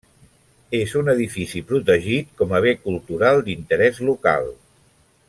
És un edifici protegit com a bé cultural d'interès local.